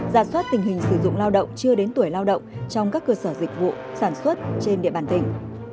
giả soát tình hình sử dụng lao động chưa đến tuổi lao động trong các cơ sở dịch vụ sản xuất trên địa bàn tỉnh